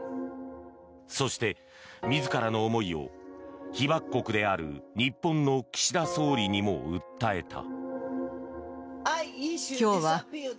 そして、自らの思いを被爆国である日本の岸田総理にも訴えた。